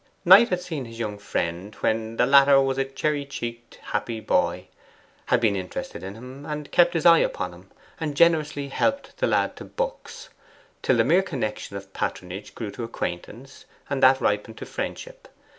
Knight had seen his young friend when the latter was a cherry cheeked happy boy, had been interested in him, had kept his eye upon him, and generously helped the lad to books, till the mere connection of patronage grew to acquaintance, and that ripened to friendship.